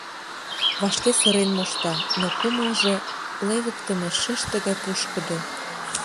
Вашке сырен мошта, но кумылжо левыктыме шыште гай пушкыдо.